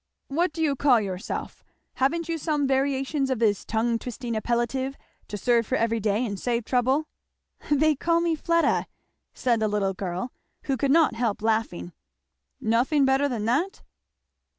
"What do you call yourself? Haven't you some variations of this tongue twisting appellative to serve for every day and save trouble?" "They call me Fleda," said the little girl, who could not help laughing. "Nothing better than that?"